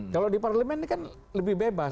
kalau di parlemen ini kan lebih bebas